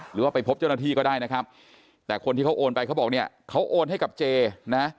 หรือว่าไปพบเจ้าหน้าที่ก็ได้นะครับแต่คนที่เขาโอนไปเขาบอกเนี่ยเขาโอนให้กับเจนะ